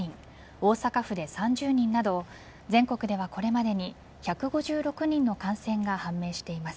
大阪府で３０人など全国ではこれまでに１５６人の感染が判明しています。